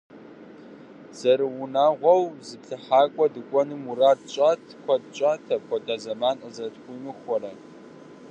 Зэрыунагъуэу зыплъыхьакӏуэ дыкӏуэну мурад тщӀащ, куэд щӏат апхуэдэ зэман къызэрытхуимыхуэрэ.